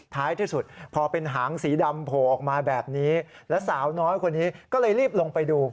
ท้ายที่สุดพอเป็นหางสีดำโผล่ออกมาแบบนี้แล้วสาวน้อยคนนี้ก็เลยรีบลงไปดู